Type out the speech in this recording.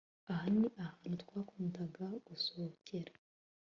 aha ni ahantu twakundaga gusohokera